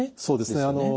そうですね。